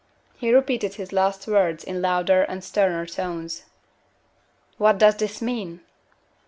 He repeated his last words in louder and sterner tones: "What does it mean?"